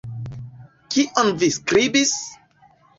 Kion vi skribis?